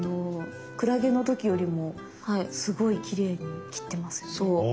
クラゲの時よりもすごいきれいに切ってますよね。